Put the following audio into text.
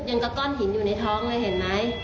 ยังก็ก้อนหินอยู่ในท้องเลยเห็นไหม